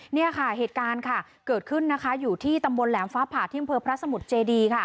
นี่เหตุการณ์เกิดขึ้นอยู่ที่ตำบลแหลมฟ้าผ่าทิ่งเผอพระสมุทรเจดี